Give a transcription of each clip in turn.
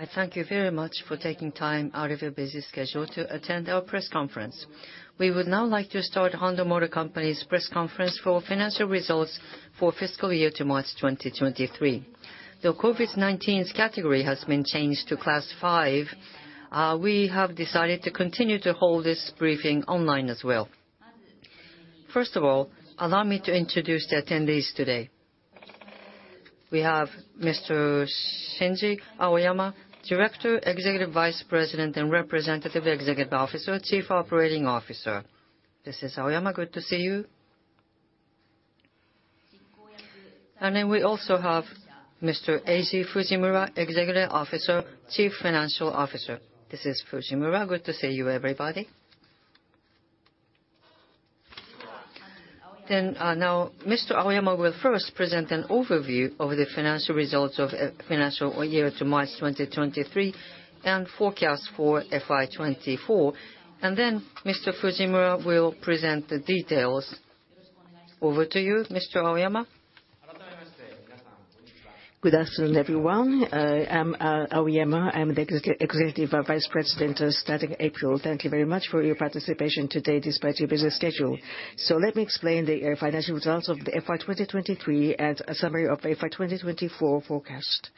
I thank you very much for taking time out of your busy schedule to attend our press conference. We would now like to start Honda Motor Company's press conference for financial results for fiscal year to March 2023. Though COVID-19's category has been changed to Class 5, we have decided to continue to hold this briefing online as well. First of all, allow me to introduce the attendees today. We have Mr. Shinji Aoyama, Director, Executive Vice President, and Representative Executive Officer, Chief Operating Officer. This is Aoyama. Good to see you. We also have Mr. Eiji Fujimura, Executive Officer, Chief Financial Officer. This is Fujimura. Good to see you, everybody. Now, Mr. Aoyama will first present an overview of the financial results of financial year to March 2023 and forecast for FY 2024. Mr. Fujimura will present the details. Over to you, Mr. Aoyama. Good afternoon, everyone. Aoyama, I'm the Executive Vice President, starting April. Thank you very much for your participation today despite your busy schedule. Let me explain the financial results of the FY 2023 and a summary of FY 2024 forecast.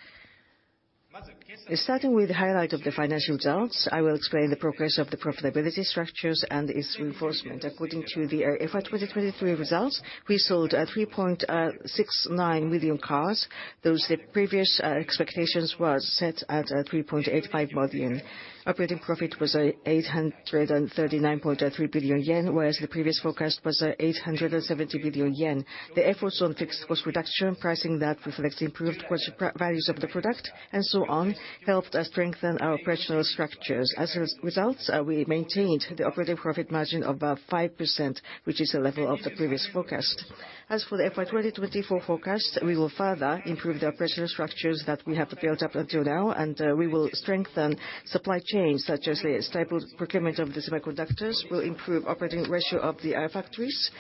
Starting with the highlight of the financial results, I will explain the progress of the profitability structures and its reinforcement. According to the FY 2023 results, we sold 3.69 million cars, those the previous expectations was set at 3.85 million. Operating profit was 839.3 billion yen, whereas the previous forecast was 870 billion yen. The efforts on fixed cost reduction, pricing that reflects improved quality values of the product, and so on, helped us strengthen our operational structures. As a result, we maintained the operating profit margin above 5%, which is the level of the previous forecast. As for the FY 2024 forecast, we will further improve the operational structures that we have built up until now, we will strengthen supply chains, such as the stable procurement of the semiconductors. We'll improve operating ratio of the factories.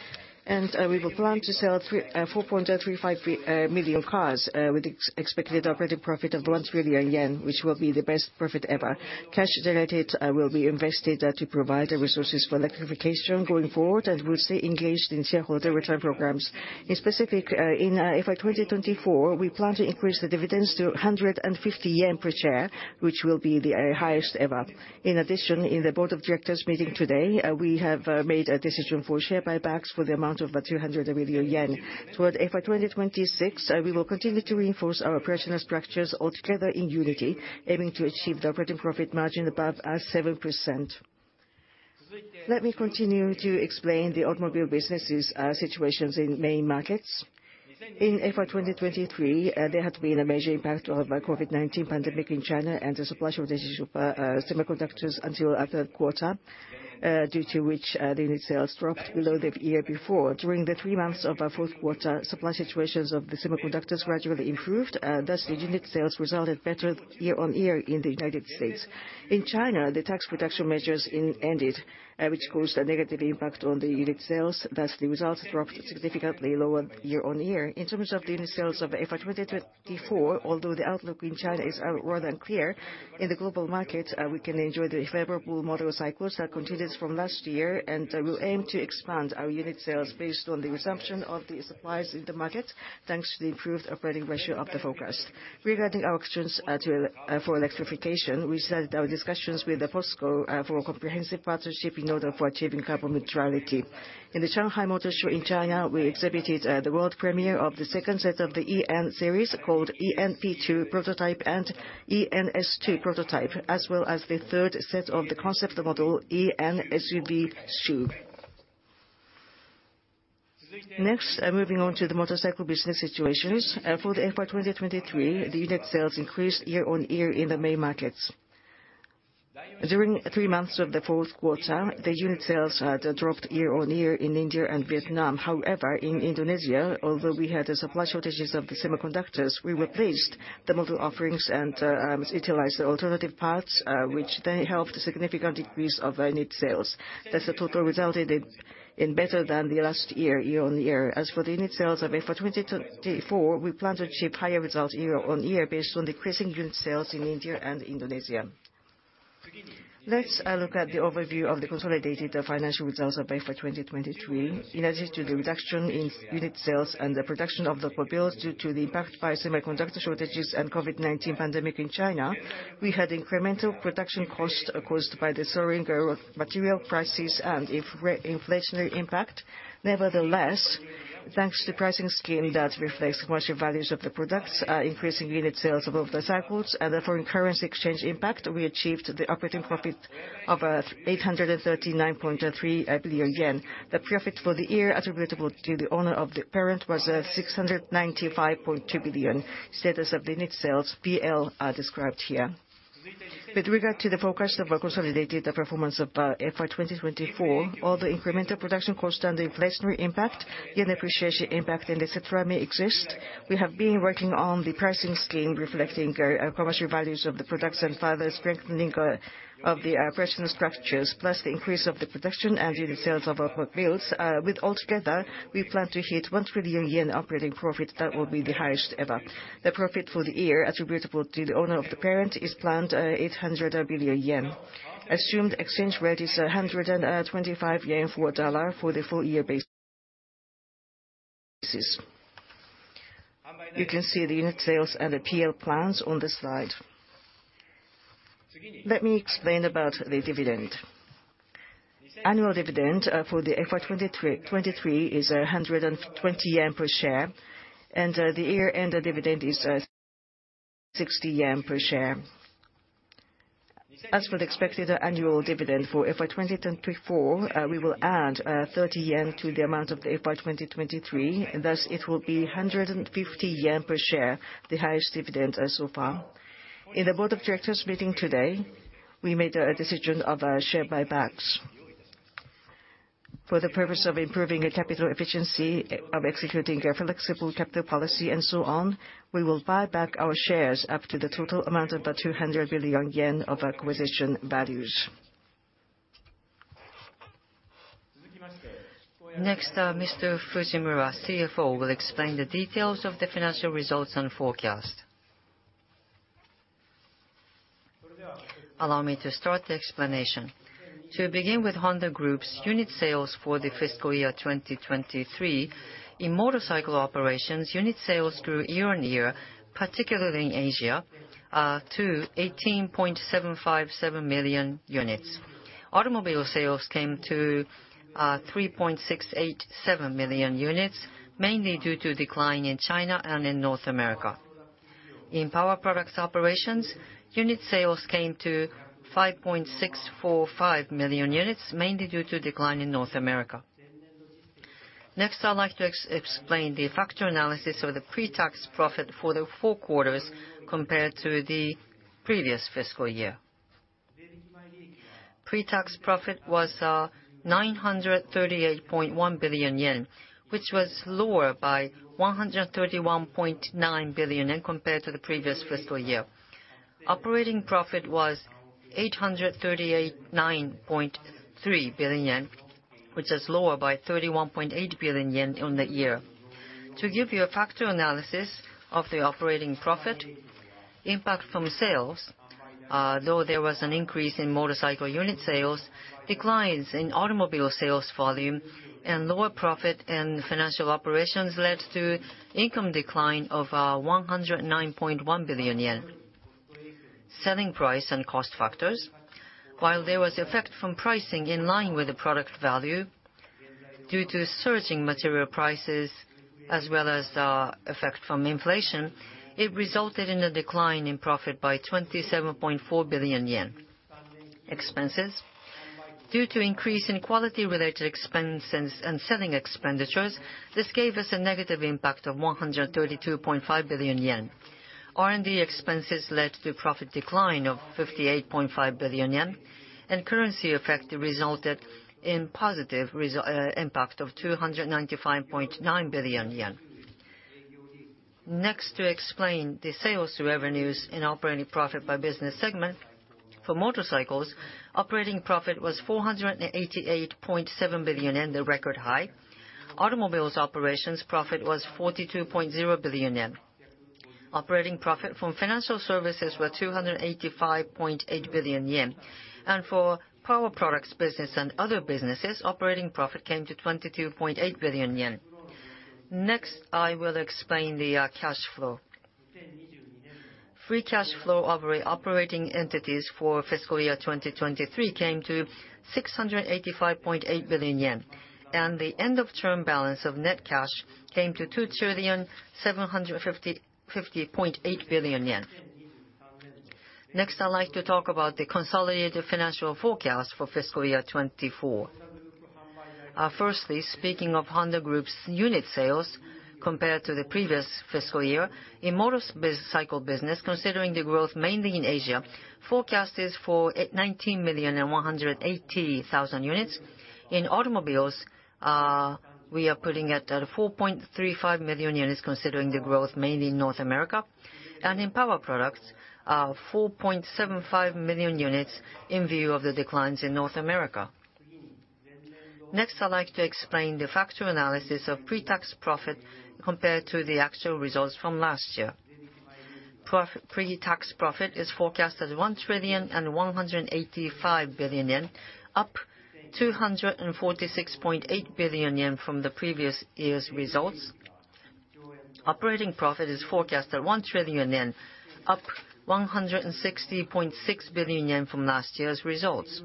We will plan to sell 4.35 million cars, with expected operating profit of 1 trillion yen, which will be the best profit ever. Cash generated will be invested to provide the resources for electrification going forward and will stay engaged in shareholder return programs. In specific, in FY 2024, we plan to increase the dividends to 150 yen per share, which will be the highest ever. In addition, in the board of directors meeting today, we have made a decision for share buybacks for the amount of 200 billion yen. Toward FY 2026, we will continue to reinforce our operational structures altogether in unity, aiming to achieve the operating profit margin above 7%. Let me continue to explain the automobile businesses situations in main markets. In FY 2023, there had been a major impact of a COVID-19 pandemic in China and the supply shortages of semiconductors until after quarter, due to which, the unit sales dropped below the year before. During the three months of Q4, supply situations of the semiconductors gradually improved, thus the unit sales resulted better year-over-year in the United States. In China, the tax production measures ended, which caused a negative impact on the unit sales, thus the results dropped significantly lower year-on-year. In terms of the unit sales of FY 2024, although the outlook in China is more than clear, in the global market, we can enjoy the favorable model cycles that continues from last year, and we'll aim to expand our unit sales based on the resumption of the supplies in the market, thanks to the improved operating ratio of the forecast. Regarding our actions to for electrification, we started our discussions with the POSCO for comprehensive partnership in order for achieving carbon neutrality. In the Shanghai Motor Show in China, we exhibited the world premiere of the second set of the e:N Series called e:NP2 Prototype and e:NS2 Prototype, as well as the third set of the concept model, e:N SUV study. Moving on to the motorcycle business situations. For the FY 2023, the unit sales increased year-on-year in the main markets. During three months of the Q4, the unit sales dropped year-on-year in India and Vietnam. In Indonesia, although we had the supply shortages of the semiconductors, we replaced the model offerings and utilized the alternative parts, which then helped a significant increase of our unit sales. The total resulted in better than the last year-on-year. As for the unit sales of FY 2024, we plan to achieve higher results year-on-year based on increasing unit sales in India and Indonesia. Next, I look at the overview of the consolidated financial results of FY 2023. In addition to the reduction in unit sales and the production of the mobiles due to the impact by semiconductor shortages and COVID-19 pandemic in China, we had incremental production costs caused by the soaring material prices and inflationary impact. Nevertheless, thanks to the pricing scheme that reflects commercial values of the products, increasing unit sales of motorcycles and the foreign currency exchange impact, we achieved the operating profit of 839.3 billion yen. The profit for the year attributable to the owner of the parent was 695.2 billion. Status of the unit sales, BL, are described here. With regard to the forecast of our consolidated performance of FY 2024, all the incremental production costs and the inflationary impact, yen appreciation impact, and et cetera may exist. We have been working on the pricing scheme reflecting commercial values of the products and further strengthening of the operational structures, plus the increase of the production and unit sales of our mobiles. With altogether, we plan to hit 1 trillion yen operating profit. That will be the highest ever. The profit for the year attributable to the owner of the parent is planned 800 billion yen. Assumed exchange rate is 125 yen for a dollar for the full year. You can see the unit sales and the PL plans on the slide. Let me explain about the dividend. Annual dividend for the FY 2023 is 120 yen per share, and the year-end dividend is 60 yen per share. As for the expected annual dividend for FY 2024, we will add 30 yen to the amount of the FY 2023, thus it will be 150 yen per share, the highest dividend as so far. In the board of directors meeting today, we made a decision of share buybacks. For the purpose of improving the capital efficiency of executing a flexible capital policy and so on, we will buy back our shares up to the total amount of 200 billion yen of acquisition values. Next, Mr. Fujimura, CFO, will explain the details of the financial results and forecast. Allow me to start the explanation. To begin with Honda Group's unit sales for FY 2023, in motorcycle operations, unit sales grew year-on-year, particularly in Asia, to 18.757 million units. Automobile sales came to 3.687 million units, mainly due to decline in China and in North America. In power products operations, unit sales came to 5.645 million units, mainly due to decline in North America. Next, I'd like to explain the factor analysis of the pre-tax profit for the four quarters compared to the previous fiscal year. Pre-tax profit was 938.1 billion yen, which was lower by 131.9 billion and compared to the previous fiscal year. Operating profit was 838. 9.3 billion yen, which is lower by 31.8 billion yen on the year. To give you a factor analysis of the operating profit, impact from sales, though there was an increase in motorcycle unit sales, declines in automobile sales volume and lower profit and financial operations led to income decline of 109.1 billion yen. Selling price and cost factors, while there was effect from pricing in line with the product value due to surging material prices as well as effect from inflation, it resulted in a decline in profit by 27.4 billion yen. Expenses, due to increase in quality-related expenses and selling expenditures, this gave us a negative impact of 132.5 billion yen. R&D expenses led to profit decline of 58.5 billion yen, and currency effect resulted in positive impact of 295.9 billion yen. To explain the sales revenues in operating profit by business segment. For motorcycles, operating profit was 488.7 billion yen, the record high. Automobiles operating profit was 42.0 billion yen. Operating profit from financial services was 285.8 billion yen. For power products business and other businesses, operating profit came to 22.8 billion yen. I will explain the cash flow. Free cash flow of operating entities for FY 2023 came to 685.8 billion yen, and the end of term balance of net cash came to 2,750.8 billion yen. I'd like to talk about the consolidated financial forecast for FY 2024. Speaking of Honda Group's unit sales compared to the previous fiscal year, in motorcycle business, considering the growth mainly in Asia, forecast is for 19,180,000 units. In automobiles, we are putting it at 4.35 million units considering the growth mainly in North America. In power products, 4.75 million units in view of the declines in North America. I'd like to explain the factor analysis of pre-tax profit compared to the actual results from last year. Pre-tax profit is forecasted 1,185 billion yen, up 246.8 billion yen from the previous year's results. Operating profit is forecast at 1 trillion yen, up 160.6 billion yen from last year's results.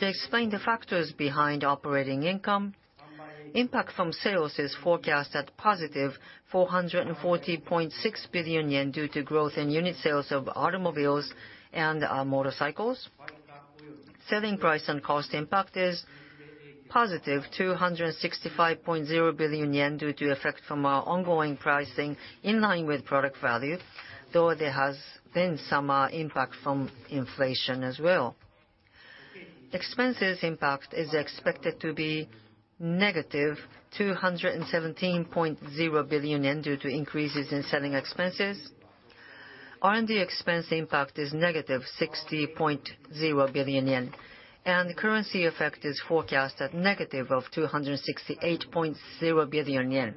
To explain the factors behind operating income, impact from sales is forecast at positive 440.6 billion yen due to growth in unit sales of automobiles and motorcycles. Selling price and cost impact is positive 265.0 billion yen due to effect from our ongoing pricing in line with product value, though there has been some impact from inflation as well. Expenses impact is expected to be negative 217.0 billion yen due to increases in selling expenses. R&D expense impact is negative 60.0 billion yen. The currency effect is forecast at negative of 268.0 billion yen.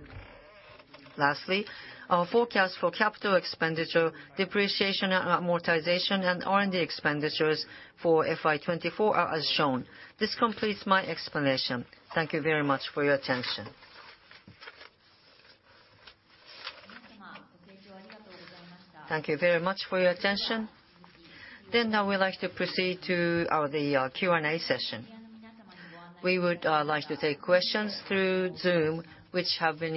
Our forecast for capital expenditure, depreciation and amortization, and R&D expenditures for FY 2024 are as shown. This completes my explanation. Thank you very much for your attention. Thank you very much for your attention. Now we'd like to proceed to the Q&A session. We would like to take questions through Zoom, which you have been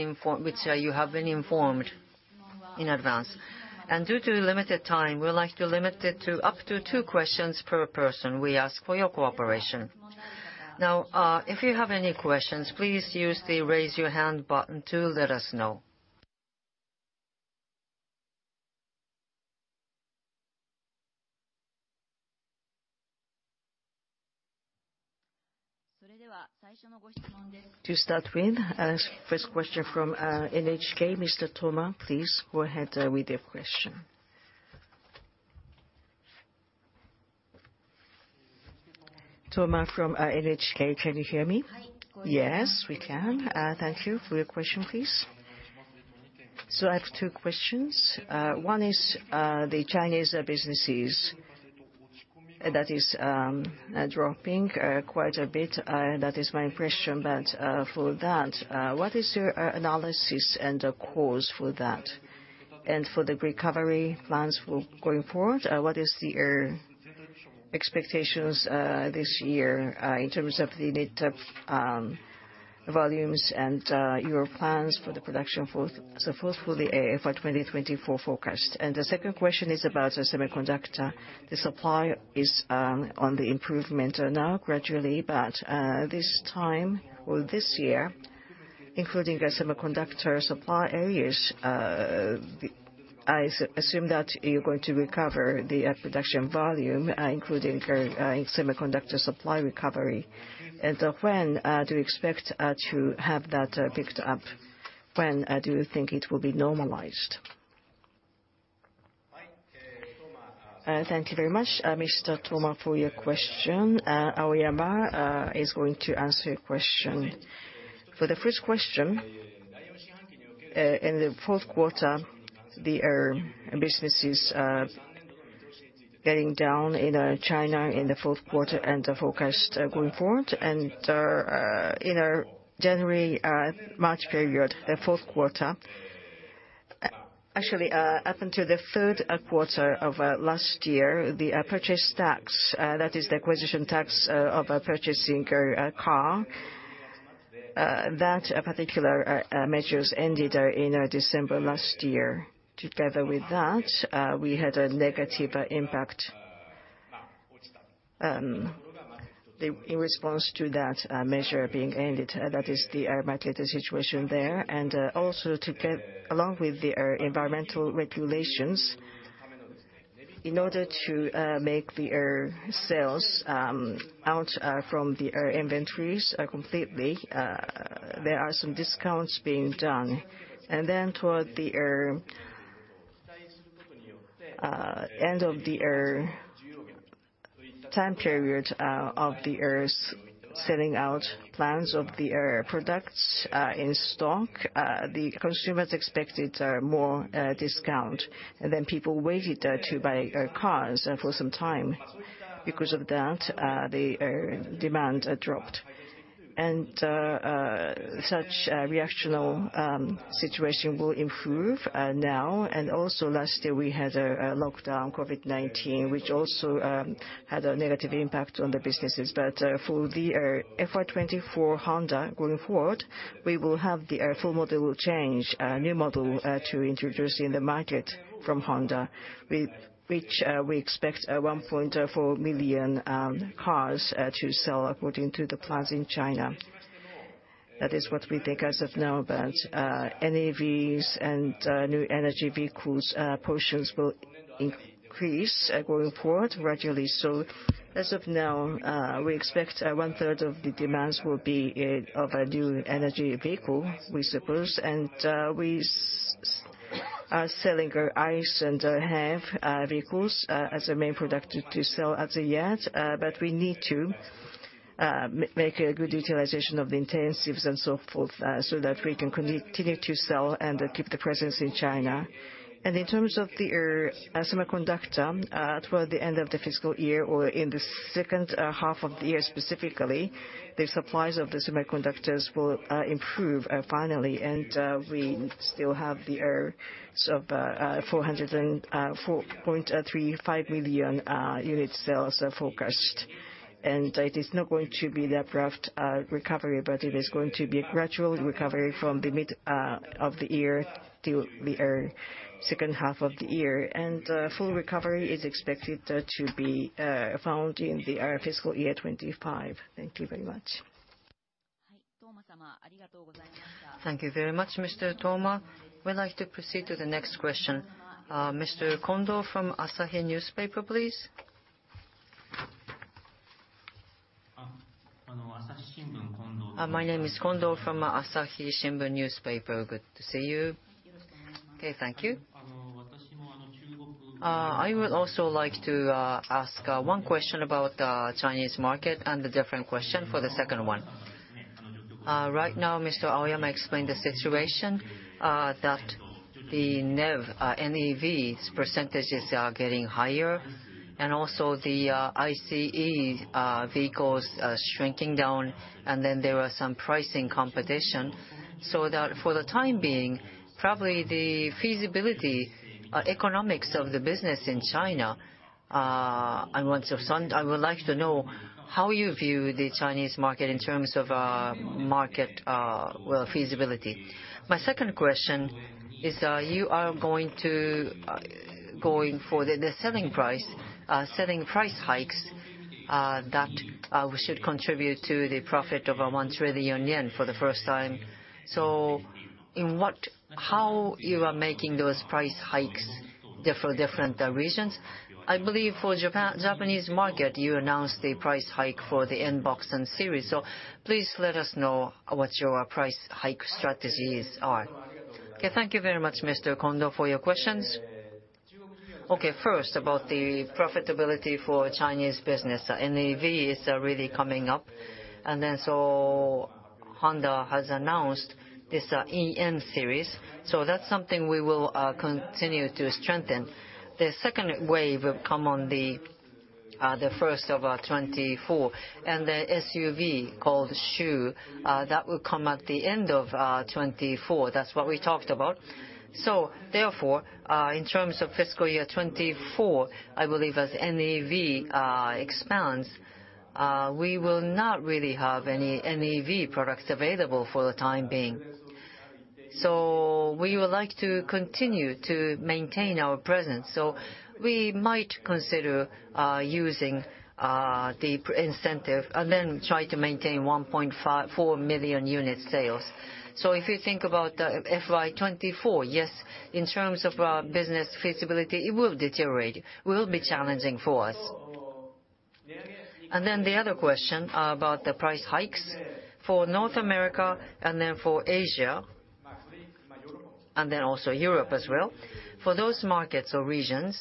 informed in advance. Due to limited time, we would like to limit it to up to two questions per person. We ask for your cooperation. Now, if you have any questions, please use the Raise Your Hand button to let us know. To start with, first question from NHK. Mr. Toma, please go ahead with your question. Toma from NHK. Can you hear me? Yes, we can. Thank you. For your question please. I have two questions. One is the Chinese businesses that is dropping quite a bit. That is my impression. For that, what is your analysis and the cause for that? For the recovery plans for going forward, what is the expectations this year in terms of the unit volumes and your plans for the production for the FY 2024 forecast? The second question is about the semiconductor. The supply is on the improvement now gradually, but this time or this year, including the semiconductor supply areas, I assume that you're going to recover the production volume, including semiconductor supply recovery. When do you expect to have that picked up? When do you think it will be normalized? Thank you very much, Mr. Toma, for your question. Aoyama is going to answer your question. For the first question, in the Q4, the business is getting down in China in the Q4 and the forecast going forward. In our January March period, the Q4, actually, up until the Q3 of last year, the purchase tax, that is the acquisition tax, of purchasing a car, that particular measures ended in December last year. Together with that, we had a negative impact, in response to that measure being ended. That is the market situation there. Also together along with the environmental regulations, in order to make the sales out from the inventories completely, there are some discounts being done. e end of the time period of the selling out plans of the products in stock, the consumers expected more discount. Then people waited to buy cars for some time. Because of that, the demand dropped. Such reactional situation will improve now. Also last year we had a lockdown, COVID-19, which also had a negative impact on the businesses. For the FY 2024 Honda going forward, we will have the full model change, new model to introduce in the market from Honda, which we expect 1.4 million cars to sell according to the plans in China. That is what we think as of now NEVs and new energy vehicles portions will increase going forward gradually. As of now, we expect 1/3 of the demands will be of a new energy vehicle, we suppose. We are selling our ICE and HEV vehicles as a main product to sell as of yet. We need to make a good utilization of the intensives and so forth, so that we can continue to sell and keep the presence in China. In terms of the semiconductor, toward the end of the fiscal year or in the second half of the year specifically, the supplies of the semiconductors will improve finally. We still have the so 404.35 million unit sales are forecast. It is not going to be the abrupt recovery, but it is going to be a gradual recovery from the mid of the year to the second half of the year. Full recovery is expected to be found in the FY 2025. Thank you very much. Thank you very much, Mr. Toma. We'd like to proceed to the next question. Mr. Kondo from Asahi Newspaper, please. My name is Kondo from Asahi Shimbun Newspaper. Good to see you. Okay, thank you. I would also like to ask one question about Chinese market and a different question for the second one. Right now, Mr. Aoyama explained the situation that the NEV, NEVs percentages are getting higher, and also the ICE vehicles are shrinking down, and then there are some pricing competition. That for the time being, probably the feasibility, economics of the business in China, I would like to know how you view the Chinese market in terms of market, well, feasibility. My second question is, you are going for the selling price hikes that should contribute to the profit of 1 trillion yen for the first time. How you are making those price hikes for different regions? I believe for Japan, Japanese market, you announced a price hike for the N-BOX series, so please let us know what your price hike strategies are. Thank you very much, Mr. Kondo, for your questions. First, about the profitability for Chinese business. NEV is really coming up, Honda has announced this e:N Series. That's something we will continue to strengthen. The second wave will come on the first of 2024, and the SUV called xù that will come at the end of 2024. That's what we talked about. In terms of FY 2024, I believe as NEV expands, we will not really have any NEV products available for the time being. We would like to continue to maintain our presence, we might consider using the incentive and then try to maintain 1.4 million unit sales. If you think about FY 2024, yes, in terms of business feasibility, it will deteriorate. It will be challenging for us. The other question about the price hikes. For North America, for Asia, also Europe as well, for those markets or regions,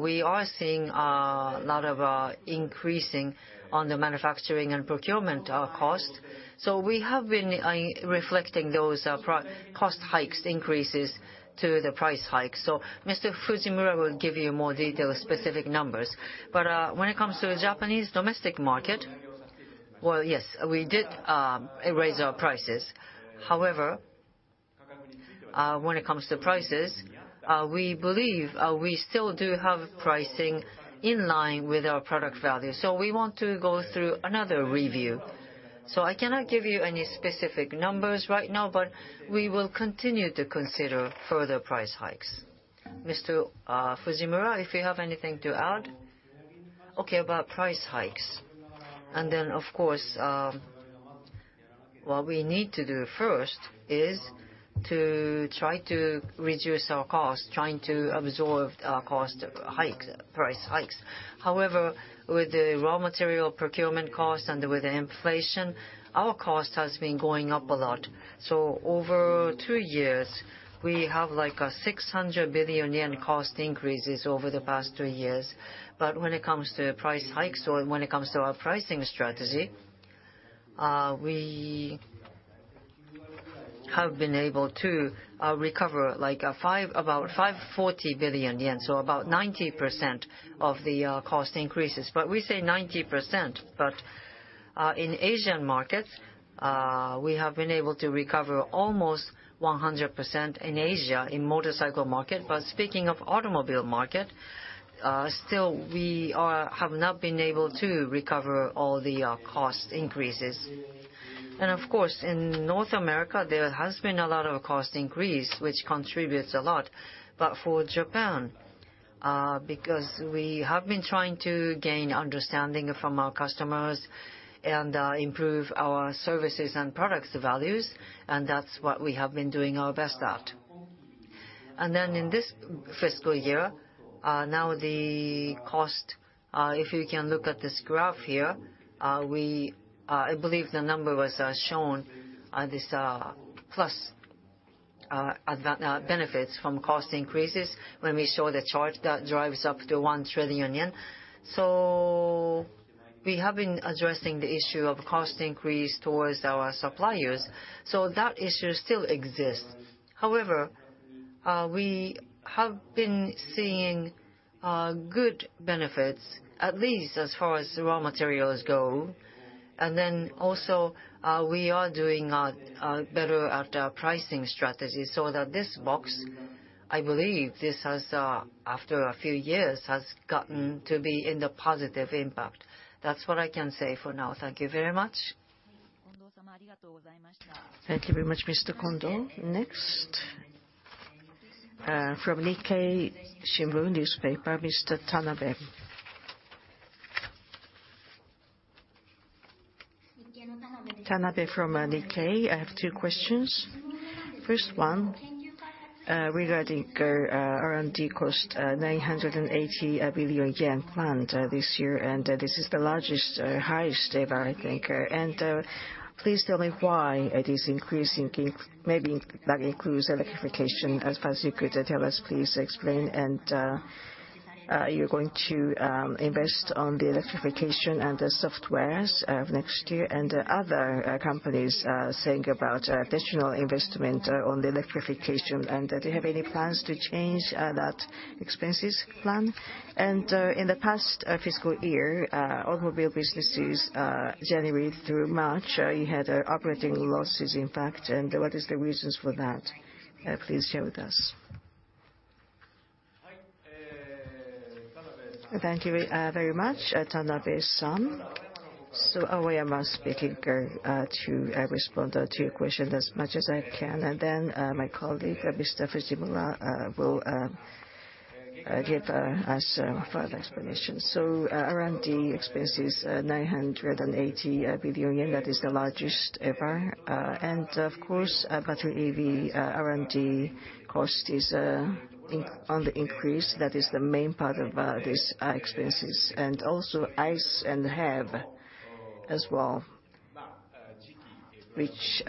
we are seeing lot of increasing on the manufacturing and procurement costs. We have been reflecting those cost hikes increases to the price hikes. Mr. Fujimura will give you more detailed specific numbers. When it comes to the Japanese domestic market, well, yes, we did raise our prices. However, when it comes to prices, we believe we still do have pricing in line with our product value. We want to go through another review. I cannot give you any specific numbers right now, but we will continue to consider further price hikes. Mr. Fujimura, if you have anything to add? Okay, about price hikes. Of course, what we need to do first is to try to reduce our costs, trying to absorb our cost hikes, price hikes. However, with the raw material procurement costs and with inflation, our cost has been going up a lot. Over two years, we have, like, a 600 billion yen cost increases over the past two years. When it comes to price hikes or when it comes to our pricing strategy, we have been able to recover, like, about 540 billion yen, so about 90% of the cost increases. We say 90%, but, in Asian markets, we have been able to recover almost 100% in Asia in motorcycle market. Speaking of automobile market, still we have not been able to recover all the cost increases. Of course, in North America, there has been a lot of cost increase, which contributes a lot. For Japan, because we have been trying to gain understanding from our customers and improve our services and products values, and that's what we have been doing our best at. In this fiscal year, now the cost, if you can look at this graph here, we, I believe the number was shown, this plus benefits from cost increases when we show the chart that drives up to 1 trillion yen. We have been addressing the issue of cost increase towards our suppliers, so that issue still exists. However, we have been seeing good benefits, at least as far as raw materials go. Also, we are doing better at our pricing strategy so that this box, I believe this has, after a few years, has gotten to be in the positive impact. That's what I can say for now. Thank you very much. Thank you very much, Mr. Kondo. Next, from Nikkei Shimbun, Mr. Tanabe. Tanabe from Nikkei. I have two questions. First one, regarding R&D cost, 980 billion yen planned this year. This is the largest, highest ever I think. Please tell me why it is increasing? Maybe that includes electrification? As far as you could tell us, please explain. Are you going to invest on the electrification and the softwares next year? Other companies are saying about additional investment on the electrification, do you have any plans to change that expenses plan? In the past fiscal year, automobile businesses, January through March, you had operating losses in fact. What is the reasons for that? Please share with us. Thank you very much, Tanabe-san. Aoyama must speak to respond to your question as much as I can. My colleague Mr. Fujimura will give us further explanation. R&D expenses, 980 billion yen, that is the largest ever. Of course, battery EV R&D cost is on the increase. That is the main part of these expenses. Also ICE and HEV as well, which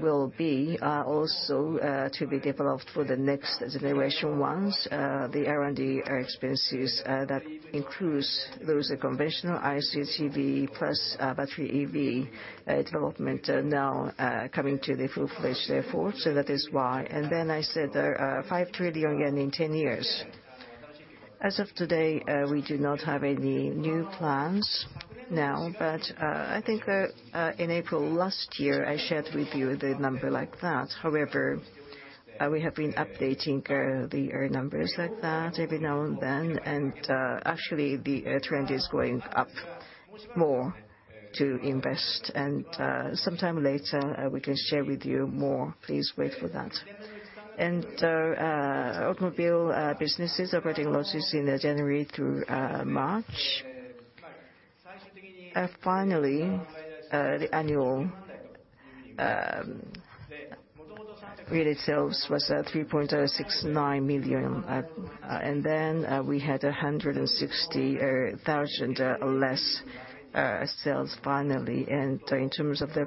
will be also to be developed for the next generation ones. The R&D expenses that includes those conventional ICE, EV, plus battery EV development now coming to the full pledge, therefore. That is why. I said 5 trillion yen in 10 years. As of today, we do not have any new plans now. I think in April last year, I shared with you the number like that. However, we have been updating the numbers like that every now and then. Actually, the trend is going up more to invest. Sometime later, we can share with you more. Please wait for that. Automobile businesses operating losses in January through March. Finally, the annual unit sales was at 3.69 million. Then, we had 160,000 less sales finally. In terms of the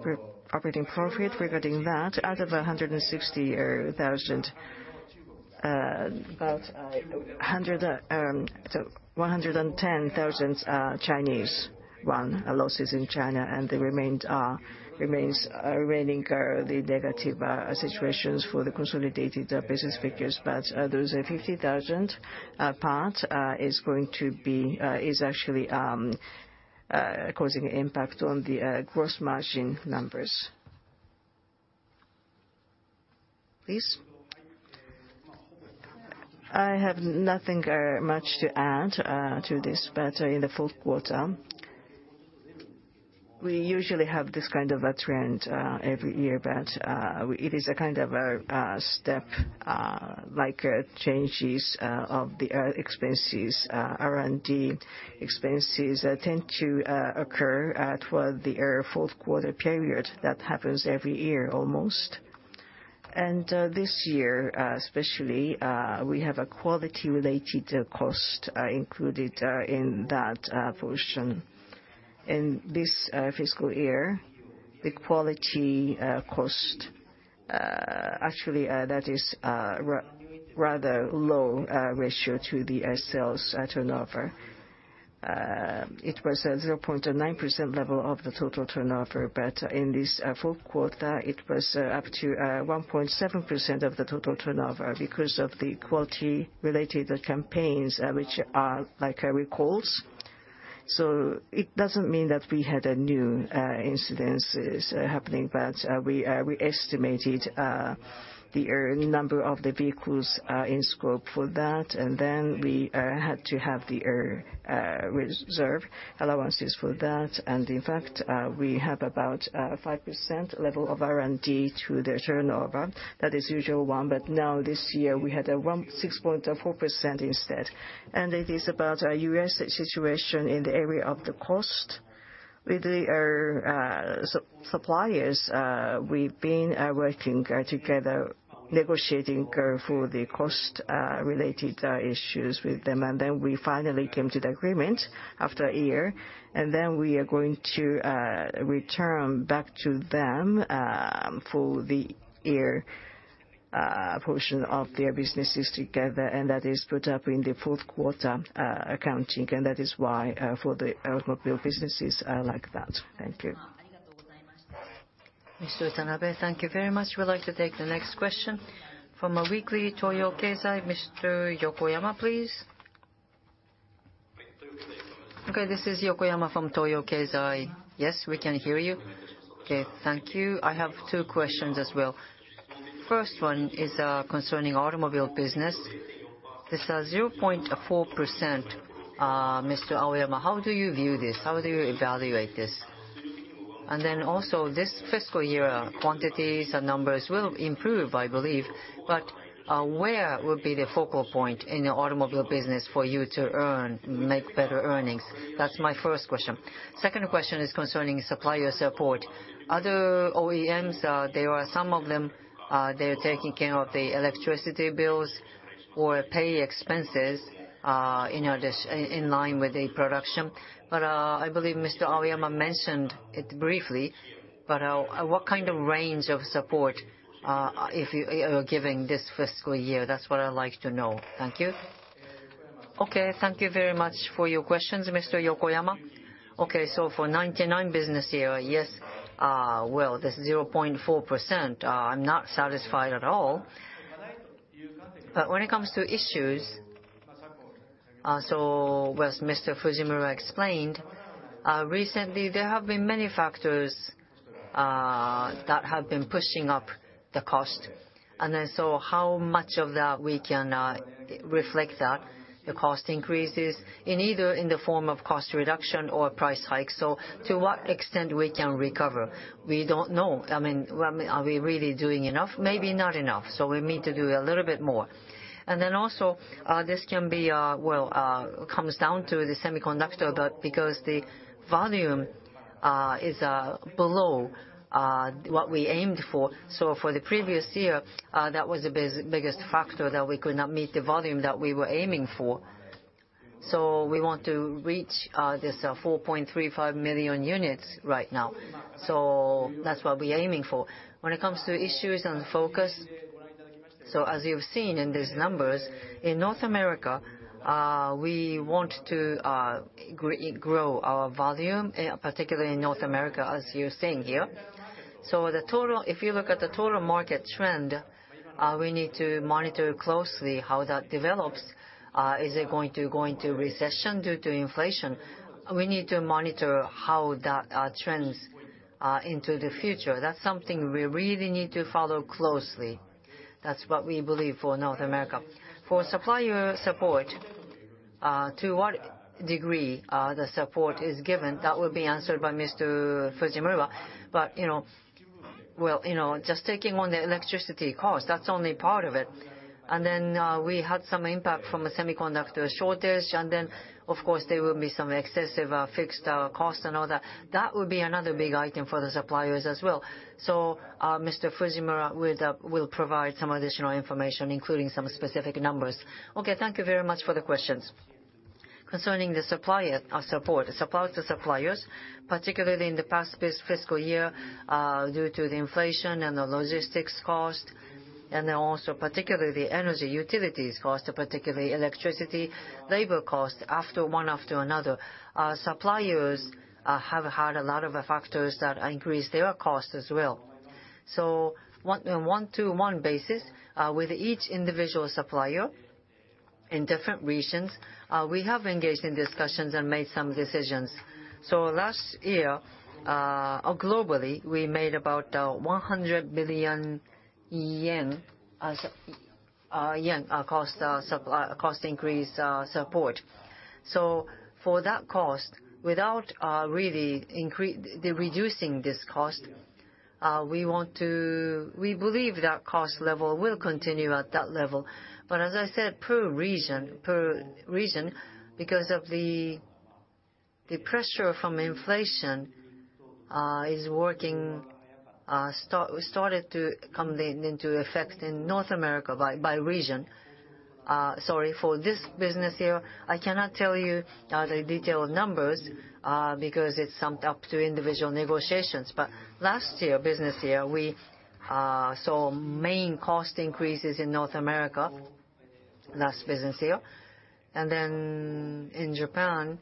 operating profit regarding that, out of 160,000, about 110.000 are Chinese losses in China, and the remaining are the negative situations for the consolidated business figures. Those 50,000 part is actually causing impact on the gross margin numbers. Please. I have nothing much to add to this, but in the Q4, we usually have this kind of a trend every year. It is a kind of a step like changes of the expenses. R&D expenses tend to occur toward the Q4 period. That happens every year almost. This year, especially, we have a quality-related cost included in that portion. In this fiscal year, the quality cost actually that is rather low ratio to the sales turnover. It was a 0.9% level of the total turnover, but in this Q4, it was up to 1.7% of the total turnover because of the quality-related campaigns, which are like recalls. It doesn't mean that we had a new incidences happening, but we estimated the number of the vehicles in scope for that. Then we had to have the reserve allowances for that. In fact, we have about 5% level of R&D to the turnover. That is usual one, but now this year, we had 6.4% instead. It is about our U.S. situation in the area of the cost. With the suppliers, we've been working together, negotiating for the cost related issues with them. We finally came to the agreement after a year. We are going to return back to them for the year portion of their businesses together. That is put up in the Q4 accounting. That is why for the automobile businesses are like that. Thank you. Mr. Tanabe, thank you very much. We'd like to take the next question from a weekly Toyo Keizai, Mr. Yokoyama, please. This is Yokoyama from Toyo Keizai. Yes, we can hear you. Thank you. I have two questions as well. First one is concerning automobile business. This 0.4%, Mr. Aoyama, how do you view this? How do you evaluate this? Also this fiscal year, quantities and numbers will improve, I believe. Where will be the focal point in the automobile business for you to earn, make better earnings? That's my first question. Second question is concerning supplier support. Other OEMs, there are some of them, they're taking care of the electricity bills or pay expenses in line with the production. I believe Mr. Aoyama mentioned it briefly, but what kind of range of support if you're giving this fiscal year, that's what I'd like to know. Thank you. Thank you very much for your questions, Mr. Yokoyama. For 99 business year, yes, well, this 0.4%, I'm not satisfied at all. When it comes to issues, as Mr. Fujimura explained, recently there have been many factors that have been pushing up the cost. How much of that we can reflect that, the cost increases in either in the form of cost reduction or price hike. To what extent we can recover, we don't know. I mean, well, are we really doing enough? Maybe not enough, so we need to do a little bit more. This can be, well, comes down to the semiconductor, but because the volume is below what we aimed for. For the previous year, that was the biggest factor that we could not meet the volume that we were aiming for. We want to reach this 4.35 million units right now. That's what we're aiming for. When it comes to issues and focus, as you've seen in these numbers, in North America, we want to grow our volume, particularly in North America, as you're seeing here. The total if you look at the total market trend, we need to monitor closely how that develops. Is it going to go into recession due to inflation? We need to monitor how that trends into the future. That's something we really need to follow closely. That's what we believe for North America. For supplier support, to what degree, the support is given, that will be answered by Mr. Fujimura. You know, well, you know, just taking on the electricity cost, that's only part of it. Then, we had some impact from a semiconductor shortage. Then, of course, there will be some excessive, fixed costs and all that. That would be another big item for the suppliers as well. Mr. Fujimura will provide some additional information, including some specific numbers. Okay, thank you very much for the questions. Concerning the supplier, support to suppliers, particularly in the past fiscal year, due to the inflation and the logistics cost, and then also particularly the energy utilities cost, particularly electricity, labor cost, after one after another, suppliers have had a lot of factors that increase their cost as well. One, one-to-one basis with each individual supplier in different regions, we have engaged in discussions and made some decisions. Last year, globally, we made about 100 billion yen cost supply cost increase support. For that cost, without really reducing this cost, we believe that cost level will continue at that level. As I said, per region, because of the pressure from inflation, is working, started to come then into effect in North America by region. Sorry, for this business year, I cannot tell you the detailed numbers, because it's summed up to individual negotiations. Last year, business year, we saw main cost increases in North America last business year. In Japan,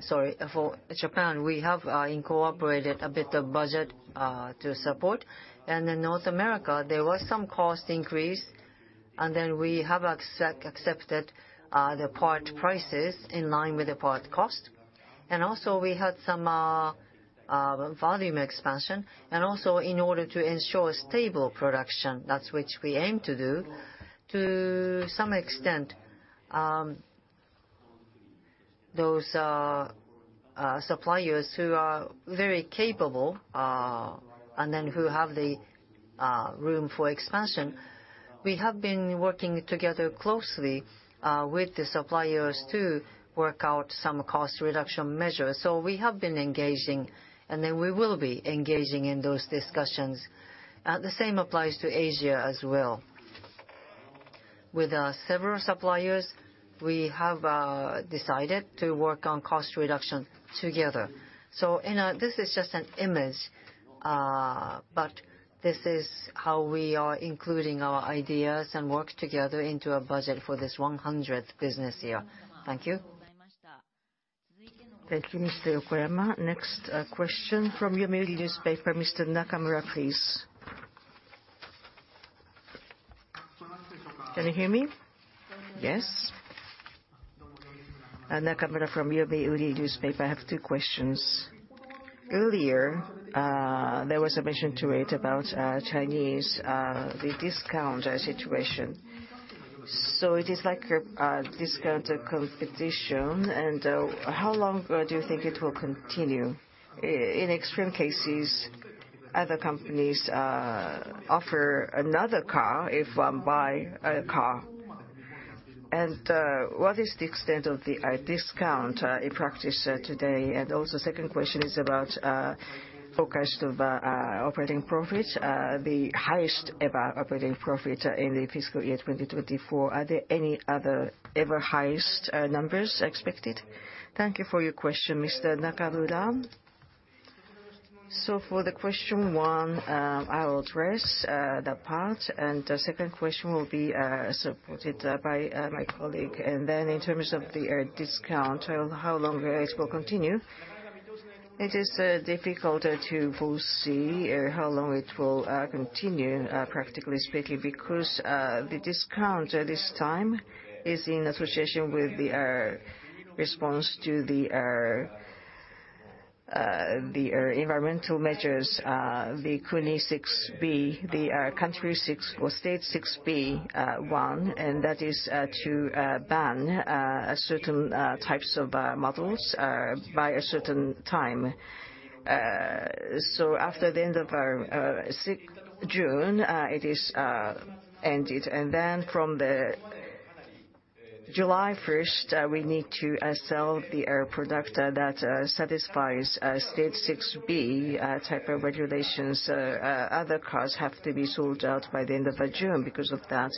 sorry, for Japan, we have incorporated a bit of budget to support. In North America, there was some cost increase, and then we have accepted the part prices in line with the part cost. Also, we had some volume expansion. Also, in order to ensure stable production, that's which we aim to do, to some extent, those suppliers who are very capable, and then who have the room for expansion, we have been working together closely with the suppliers to work out some cost reduction measures. We have been engaging, and then we will be engaging in those discussions. The same applies to Asia as well. With several suppliers, we have decided to work on cost reduction together. You know, this is just an image, but this is how we are including our ideas and work together into a budget for this 100th business year. Thank you. Thank you, Mr. Yokoyama. Next, question from The Yomiuri Shimbun, Mr. Nakamura, please. Can you hear me? Yes. Nakamura from NewsPicks. I have two questions. Earlier, there was a mention to it about Chinese the discount situation. It is like a discount competition. How long do you think it will continue? In extreme cases, other companies offer another car if one buy a car. What is the extent of the discount in practice today? Second question is about forecast of operating profits, the highest ever operating profit in FY 2024. Are there any other ever highest numbers expected? Thank you for your question, Mr. Nakamura. For the question one, I will address that part, and the second question will be supported by my colleague. In terms of the discount and how long it will continue, it is difficult to foresee how long it will continue, practically speaking, because the discount at this time is in association with the response to the environmental measures, the China 6B, the country 6 or state 6B, one, and that is to ban certain types of models by a certain time. After the end of June 6th, it is ended. From the July 1st, we need to sell the product that satisfies state 6b type of regulations. Other cars have to be sold out by the end of June because of that.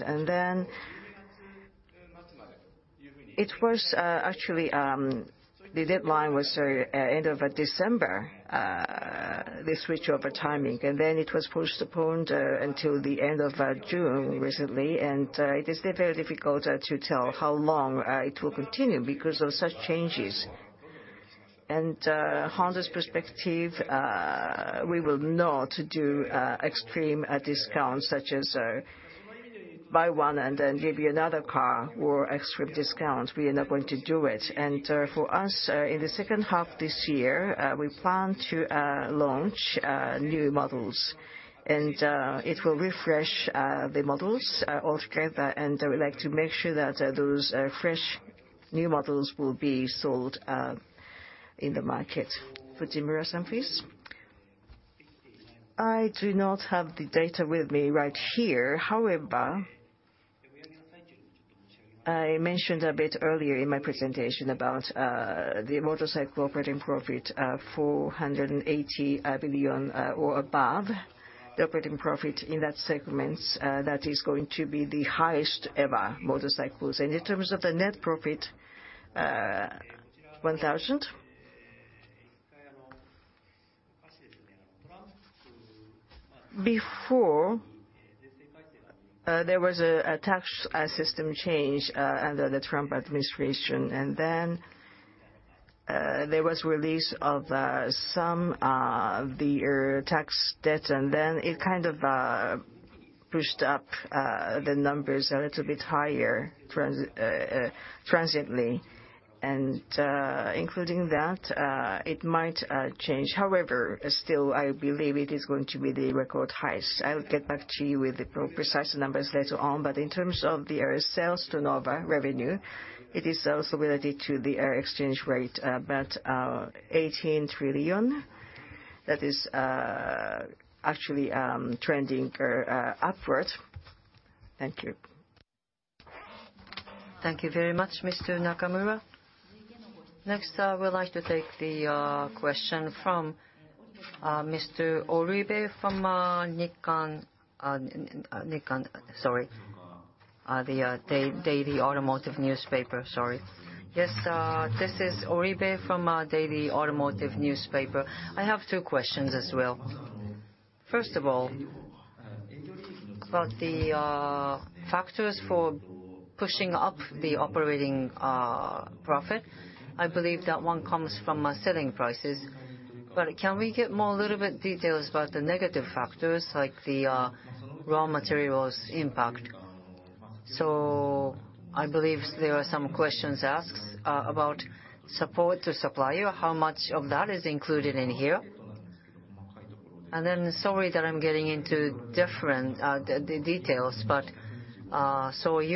It was, actually, the deadline was end of December, the switch over timing, and it was postponed until the end of June recently. It is very difficult to tell how long it will continue because of such changes. Honda's perspective, we will not do extreme discounts such as buy one and then give you another car or extreme discount. We are not going to do it. For us, in the second half this year, we plan to launch new models and it will refresh the models altogether. We like to make sure that those fresh new models will be sold in the market. Fujimura-san, please. I do not have the data with me right here. However, I mentioned a bit earlier in my presentation about the motorcycle operating profit, 480 billion or above the operating profit in that segment. That is going to be the highest ever motorcycles. In terms of the net profit, 1,000. Before there was a tax system change under the Trump administration, and then there was release of some the tax debt, and then it kind of pushed up the numbers a little bit higher transiently. And including that, it might change. However, still, I believe it is going to be the record highs. I'll get back to you with the pre-precise numbers later on. In terms of the sales to NEV revenue, it is also related to the exchange rate, but 18 trillion, that is actually trending upward. Thank you. Thank you very much, Mr. Nakamura. Next, I would like to take the question from Mr. Oribe from Nikkan. Nikkan, sorry, the Daily Automotive Newspaper. Sorry. Yes, this is Oribe from Daily Automotive Newspaper. I have two questions as well. First of all, about the factors for pushing up the operating profit. I believe that one comes from selling prices. Can we get more a little bit details about the negative factors like the raw materials impact? I believe there are some questions asked about support to supplier. How much of that is included in here? Sorry that I'm getting into different details, you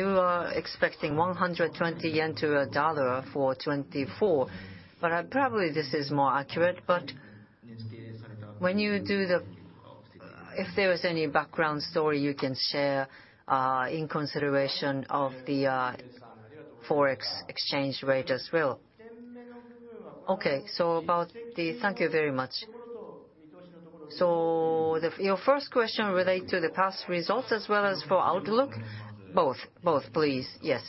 are expecting 120 yen to $1 for 2024. Probably this is more accurate, when you do the. If there is any background story you can share, in consideration of the Forex exchange rate as well. Okay. Thank you very much. Your first question relate to the past results as well as for outlook? Both. Both, please. Yes,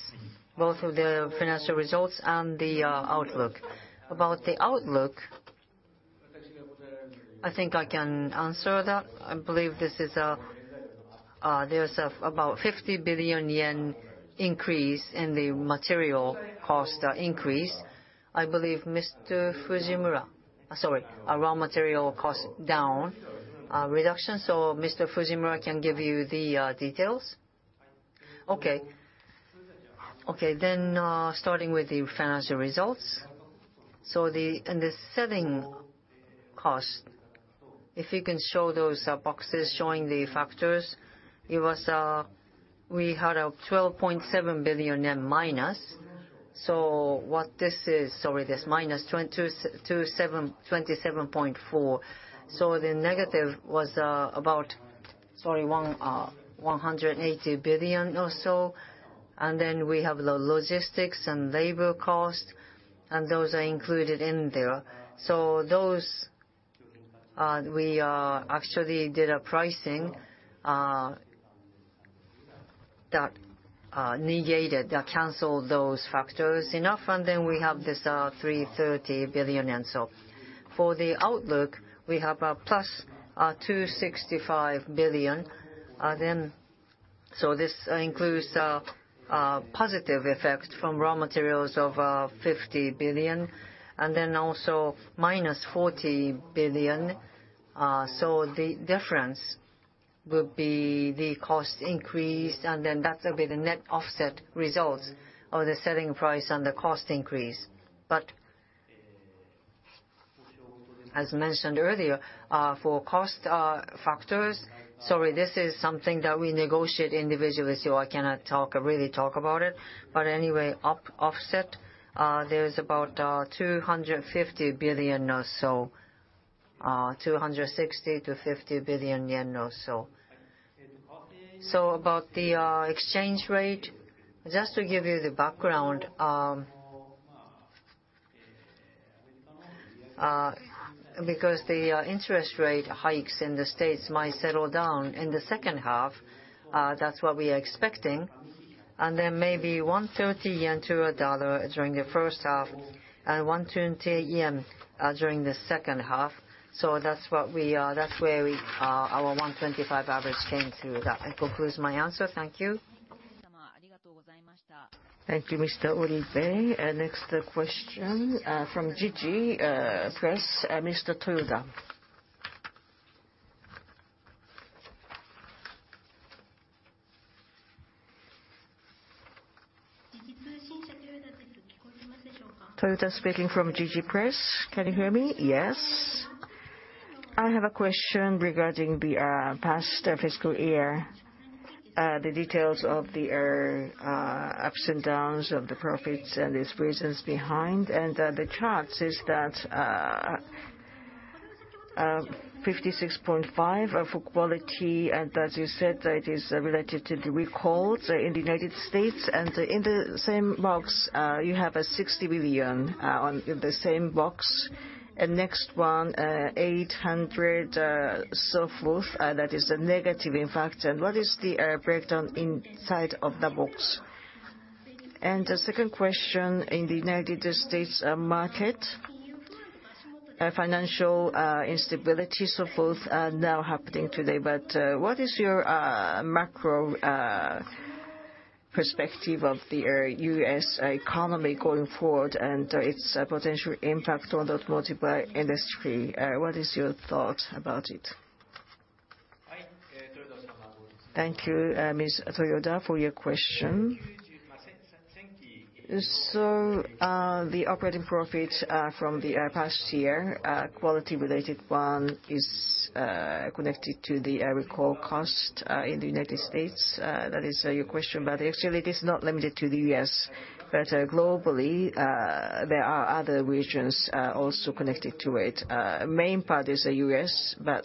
both of the financial results and the outlook. About the outlook, I think I can answer that. I believe this is, there's about 50 billion yen increase in the material cost increase. I believe Mr. Fujimura. Sorry, a raw material cost down reduction. Mr. Fujimura can give you the details. Okay. Okay, starting with the financial results. In the selling cost, if you can show those boxes showing the factors. It was, we had a 12.7 billion yen minus. What this is. Sorry, this minus 27.4. The negative was about 180 billion or so. We have the logistics and labor costs, and those are included in there. Those we actually did a pricing that negated, that canceled those factors enough, we have this 330 billion. For the outlook, we have a +265 billion. This includes a positive effect from raw materials of 50 billion, and also -40 billion. The difference would be the cost increase, and that will be the net offset results of the selling price and the cost increase. As mentioned earlier, for cost factors. Sorry, this is something that we negotiate individually, so I cannot talk, really talk about it. Anyway, offset, there is about 250 billion or so, 260-250 billion yen or so. About the exchange rate, just to give you the background, because the interest rate hikes in the States might settle down in the second half, that's what we are expecting. Then maybe 130 yen to a dollar during the first half and 120 yen during the second half. That's what we, that's where we, our 125 average came to that. I concludes my answer. Thank you. Thank you, Mr. Oribe. Next question from JIJI Press, Mr. Toyoda. Toyoda speaking from JIJI Press. Can you hear me? Yes. I have a question regarding the past fiscal year, the details of the ups and downs of the profits and its reasons behind. The charts is that 56.5 are for quality, and as you said, that is related to the recalls in the United States. In the same box, you have 60 billion in the same box. Next one, 800 so forth, that is a negative factor. What is the breakdown inside of the box? The second question, in the United States market, financial instabilities are now happening today. What is your macro perspective of the U.S. economy going forward and its potential impact on the automotive industry? What is your thought about it? Thank you, Ms. Toyoda, for your question. The operating profit from the past year, quality related one is connected to the recall cost in the United States. That is your question. Actually, it is not limited to the US, but globally there are other regions also connected to it. Main part is the US, but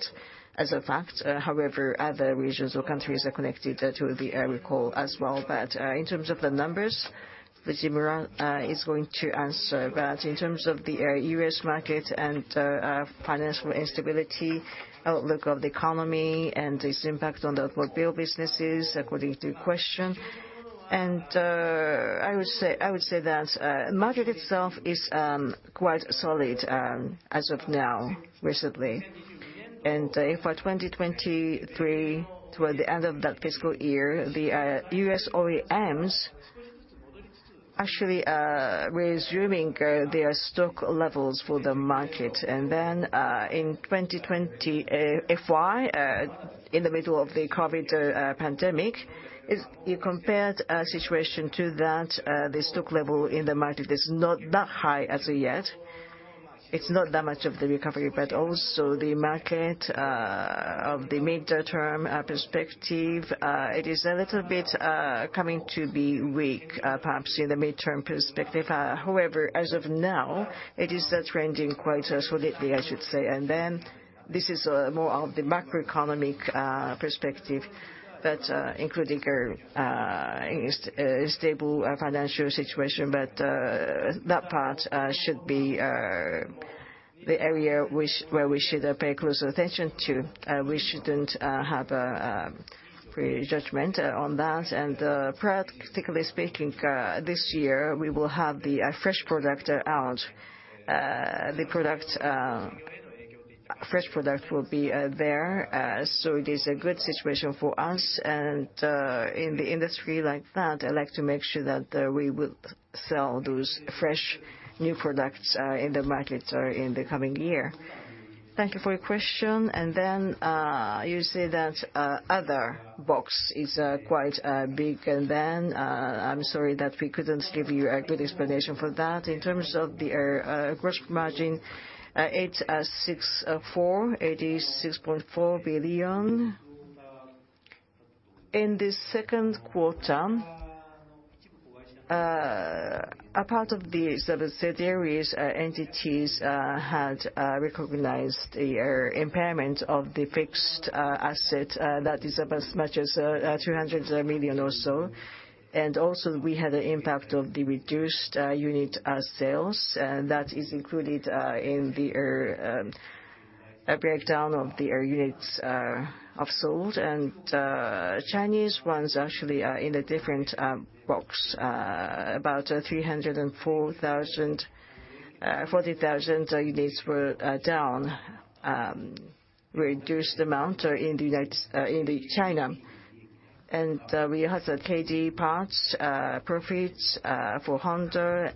as a fact, however, other regions or countries are connected to the recall as well. In terms of the numbers, Fujimura is going to answer. In terms of the U.S. market and financial instability, outlook of the economy and its impact on the automobile businesses, according to your question, I would say that market itself is quite solid as of now, recently. For 2023, toward the end of that fiscal year, the U.S. OEMs actually are resuming their stock levels for the market. Then, in FY 2020, in the middle of the COVID-19 pandemic, is, you compared situation to that, the stock level in the market is not that high as of yet. It's not that much of the recovery. Also the market of the midterm perspective, it is a little bit coming to be weak, perhaps in the midterm perspective. However, as of now, it is trending quite solidly, I should say. This is more of the macroeconomic perspective that, including stable financial situation. That part should be the area which, where we should pay close attention to. We shouldn't have a prejudgment on that. Practically speaking, this year, we will have the fresh product out. The product, fresh product will be there, so it is a good situation for us. In the industry like that, I'd like to make sure that we will sell those fresh new products in the market in the coming year. Thank you for your question. You see that other box is quite big. I'm sorry that we couldn't give you a good explanation for that. In terms of the gross margin, it's at six, four, it is 6.4 billion. In the Q2, a part of the subsidiaries, entities, had recognized the impairment of the fixed asset, that is up as much as 200 million or so. We had an impact of the reduced unit sales that is included in the breakdown of the units of sold. Chinese ones actually are in a different box. About 304,000, 40,000 units were down, reduced amount in the China. We had the KD parts profits for Honda.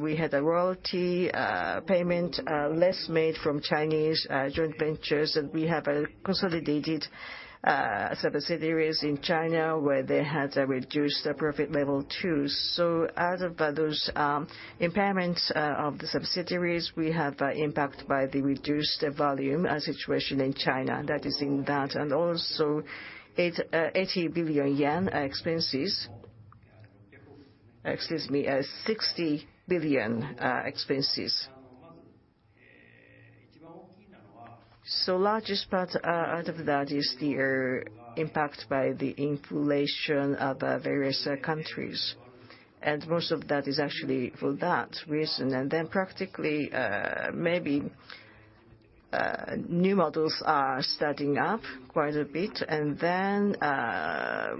We had a royalty payment less made from Chinese joint ventures. We have consolidated subsidiaries in China where they had a reduced profit level too. Out of those impairments of the subsidiaries, we have impact by the reduced volume situation in China. That is in that. 80 billion yen expenses. Excuse me, 60 billion expenses. Largest part out of that is the impact by the inflation of various countries. Most of that is actually for that reason. Practically, maybe new models are starting up quite a bit.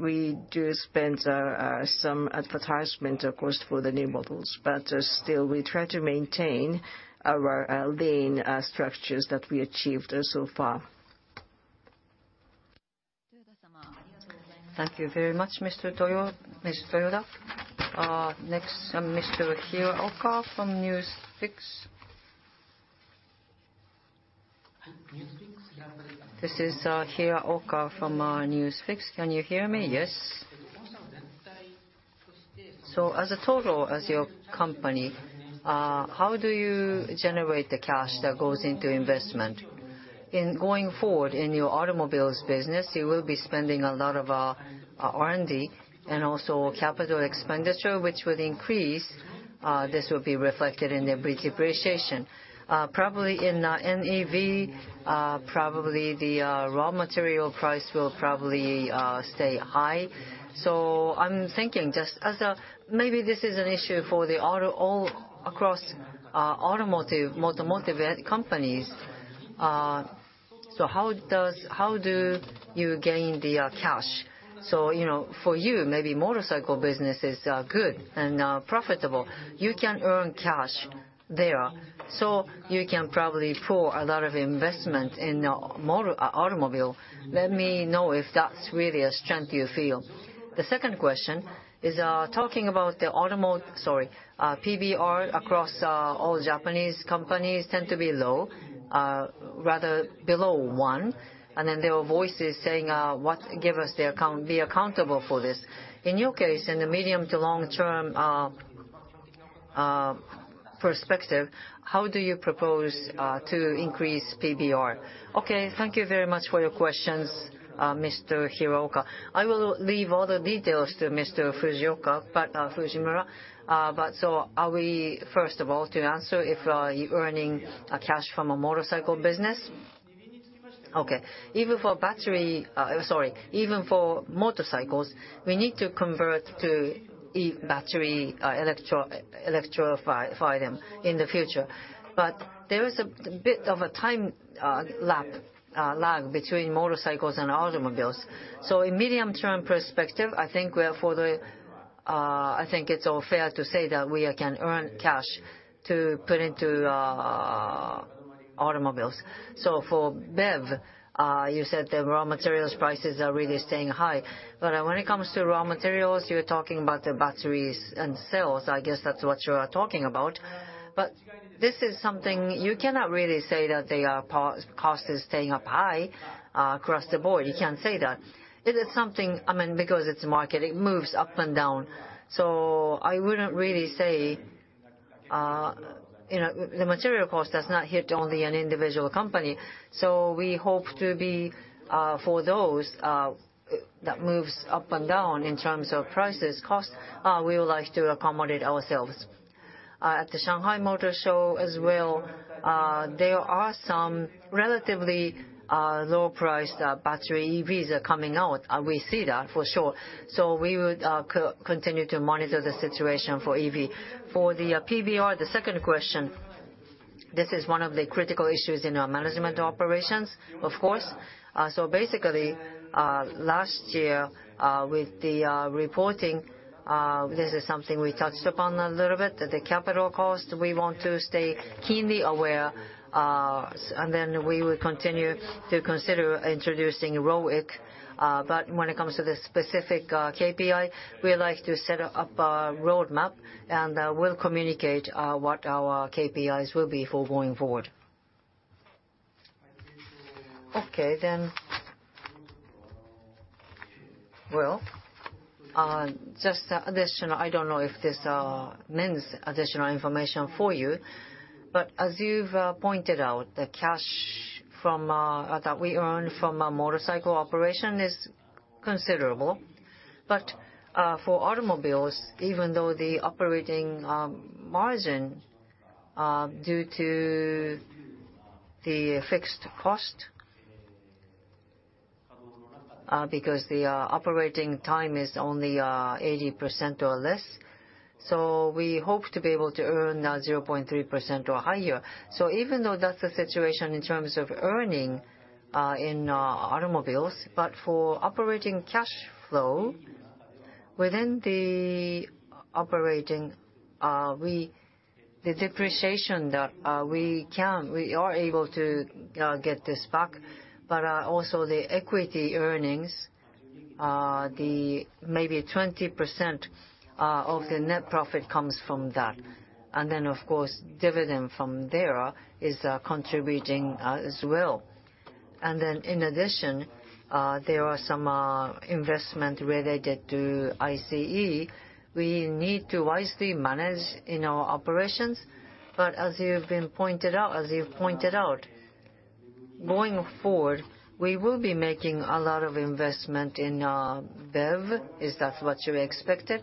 We do spend some advertisement, of course, for the new models. Still we try to maintain our lean structures that we achieved so far. Thank you very much, Mr. Toyoda. Next, Mr. Hiraoka from NewsPicks. This is Hiraoka from NewsPicks. Can you hear me? Yes. As a total, as your company, how do you generate the cash that goes into investment? In going forward in your automobiles business, you will be spending a lot of R&D and also capital expenditure, which would increase. This will be reflected in the depreciation. Probably in NEV, probably the raw material price will probably stay high. I'm thinking just as maybe this is an issue for the auto, all across automotive companies. How does, how do you gain the cash? You know, for you, maybe motorcycle business is good and profitable. You can earn cash there, you can probably pour a lot of investment in automobile. Let me know if that's really a strength you feel. The second question is, talking about PBR across all Japanese companies tend to be low, rather below one. There are voices saying, "What give us the account, be accountable for this." In your case, in the medium to long term perspective, how do you propose to increase PBR? Thank you very much for your questions, Mr. Hiraoka. I will leave all the details to Mr. Fujimura. Are we, first of all, to answer if you're earning cash from a motorcycle business. Even for motorcycles, we need to convert to e-battery, electrify them in the future. There is a bit of a time lag between motorcycles and automobiles. In medium-term perspective, I think we are further, I think it's all fair to say that we can earn cash to put into automobiles. For BEV, you said the raw materials prices are really staying high. When it comes to raw materials, you're talking about the batteries and cells. I guess that's what you are talking about. This is something you cannot really say that the cost is staying up high across the board. You can't say that. It is something, I mean, because it's a market, it moves up and down. I wouldn't really say, you know, the material cost does not hit only an individual company. We hope to be for those that moves up and down in terms of prices, costs, we would like to accommodate ourselves. At the Shanghai Motor Show as well, there are some relatively low-priced battery EVs are coming out. We see that for sure. We would continue to monitor the situation for EV. For the PBR, the second question, this is one of the critical issues in our management operations, of course. Basically, last year, with the reporting, this is something we touched upon a little bit. The capital cost, we want to stay keenly aware, and then we will continue to consider introducing ROIC. When it comes to the specific KPI, we would like to set up a roadmap, and we'll communicate what our KPIs will be for going forward. Okay. Well, just additional, I don't know if this means additional information for you, but as you've pointed out, the cash from that we earn from motorcycle operation is considerable. ven though the operating margin is low due to fixed costs (because the operating time is only 80% or less), we hope to be able to earn 0.3% or higher. Even though that's the situation in terms of earning in automobiles, for operating cash flow, within the operating, the depreciation that we are able to get back, also the equity earnings, maybe 20% of the net profit comes from that. Of course, dividend from there is contributing as well. In addition, there are some investment related to ICE We need to wisely manage in our operations, as you've pointed out, going forward, we will be making a lot of investment in BEV, is that what you expected?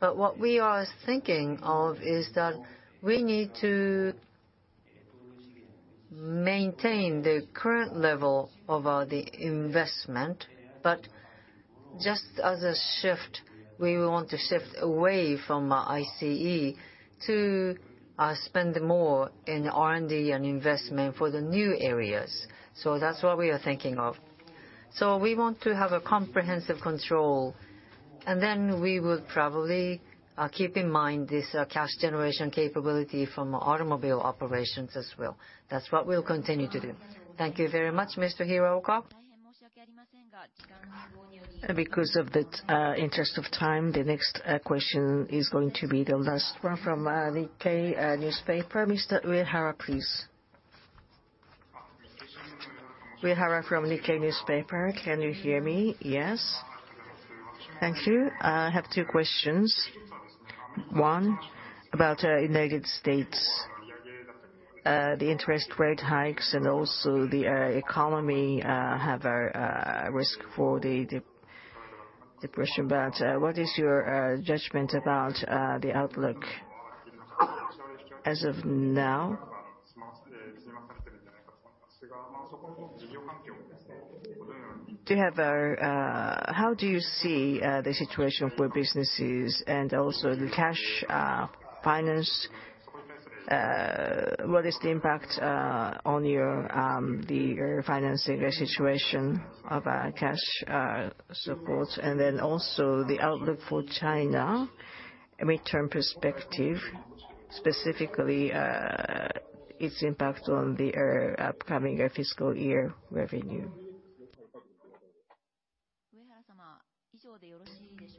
What we are thinking of is that we need to maintain the current level of the investment, just as a shift, we want to shift away from ICE to spend more in R&D and investment for the new areas. That's what we are thinking of. We want to have a comprehensive control, and then we would probably keep in mind this cash generation capability from automobile operations as well. That's what we'll continue to do. Thank you very much, Mr. Hiraoka. Of the interest of time, the next question is going to be the last one from Nikkei newspaper. Mr. Uehara, please. Uehara from Nikkei newspaper. Can you hear me? Yes. Thank you. I have two questions. About United States, the interest rate hikes and also the economy have a risk for the depression. What is your judgment about the outlook as of now? Do you have, how do you see the situation for businesses and also the cash finance? What is the impact on your the financing situation of cash supports? Also the outlook for China, midterm perspective, specifically, its impact on the upcoming fiscal year revenue.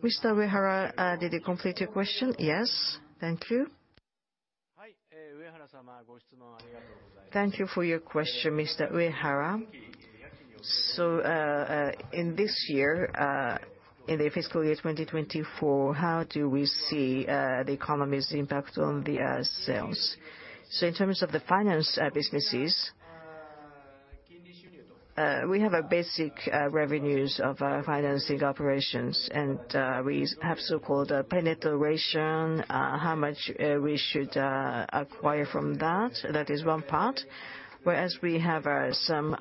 Mr. Uehara, did you complete your question? Yes. Thank you. Thank you for your question, Mr. Uehara. In this year, in the fiscal year 2024, how do we see the economy's impact on the sales? In terms of the finance businesses, we have a basic revenues of financing operations, and we have so-called penetration, how much we should acquire from that. That is one part. Whereas we have some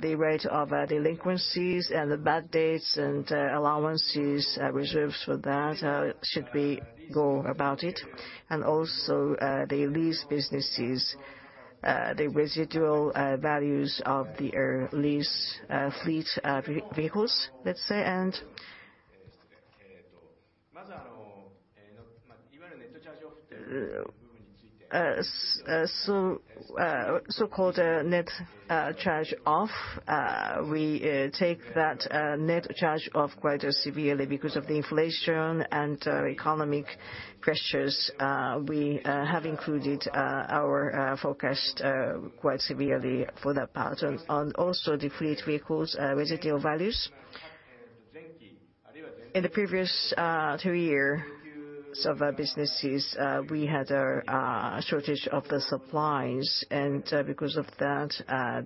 the rate of delinquencies and the bad debts and allowances reserves for that, should we go about it. Also, the lease businesses, the residual values of the lease fleet vehicles, let's say. So-called net charge-off, we take that net charge-off quite severely because of the inflation and economic pressures. We have included our forecast quite severely for that part. On also the fleet vehicles, residual values. In the previous two years of our businesses, we had a shortage of the supplies, and because of that,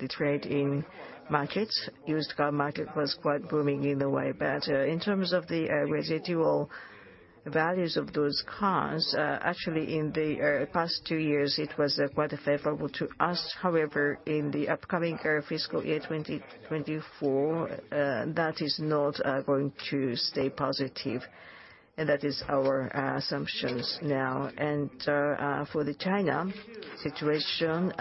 the trade in markets, used car market was quite booming in a way. In terms of the residual values of those cars, actually in the past two years, it was quite favorable to us. However, in the upcoming FY 2024, that is not going to stay positive. That is our assumptions now. For the China situation,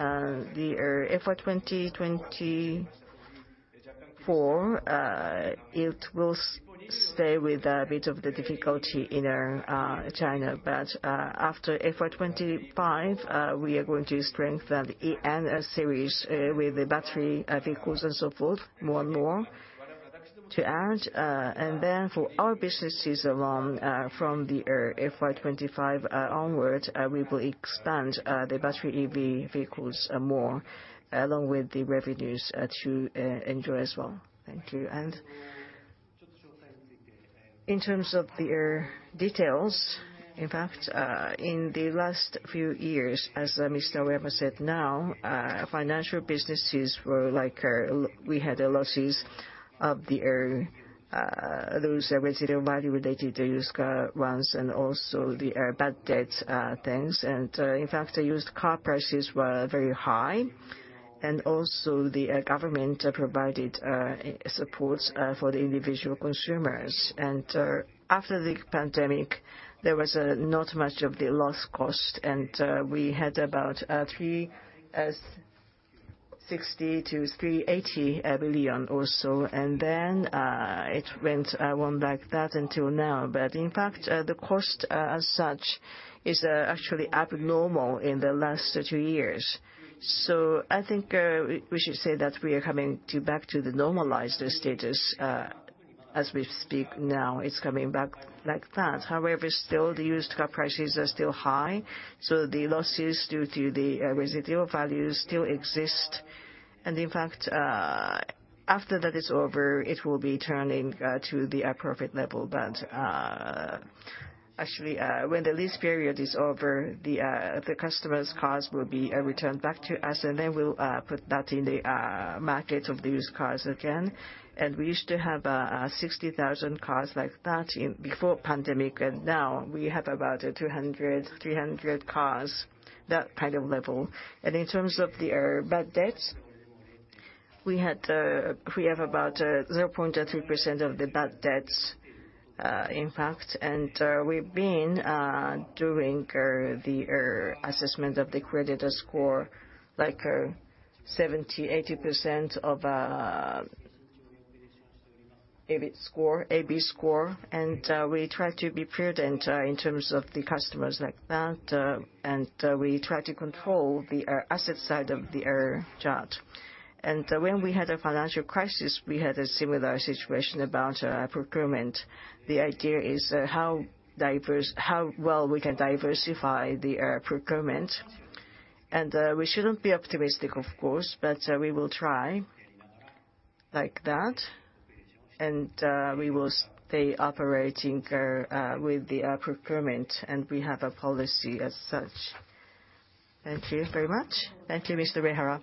the for 2024, it will stay with a bit of the difficulty in China. After FY 2025, we are going to strengthen e:N Series, with the battery, vehicles and so forth more and more. To add, and then for our businesses along, from the FY 2025 onwards, we will expand the battery EV vehicles more along with the revenues to enjoy as well. Thank you. In terms of the details, in fact, in the last few years, as Mr. Uehara said now, financial businesses were like we had losses of those residual value related to used car ones and also the bad debts things. In fact, the used car prices were very high and also the government provided supports for the individual consumers. After the pandemic, there was not much of the loss cost and we had about 360 billion-380 billion or so. Then it went one like that until now. In fact, the cost as such is actually abnormal in the last two years. I think we should say that we are coming to back to the normalized status as we speak now. It's coming back like that. However, still the used car prices are still high, so the losses due to the residual values still exist. In fact, after that is over, it will be turning to the appropriate level. Actually, when the lease period is over, the customer's cars will be returned back to us and then we'll put that in the market of used cars again. We used to have 60,000 cars like that in before pandemic, and now we have about 200, 300 cars, that kind of level. In terms of the bad debts, we had, we have about 0.3% of the bad debts impact. We've been doing the assessment of the creditor score, like 70%, 80% of A, B score. We try to be prudent in terms of the customers like that, and we try to control the asset side of the chart. When we had a financial crisis, we had a similar situation about procurement. The idea is how well we can diversify the procurement. We shouldn't be optimistic, of course, but we will try like that. We will stay operating with the procurement, and we have a policy as such. Thank you very much. Thank you, Mr. Uehara.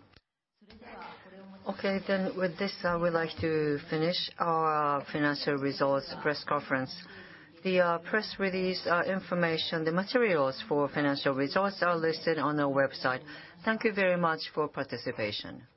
With this, I would like to finish our financial results press conference. The press release information, the materials for financial results are listed on our website. Thank you very much for participation.